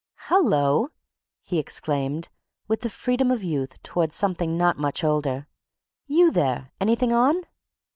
"Hullo!" he exclaimed with the freedom of youth towards something not much older. "You there? Anything on?"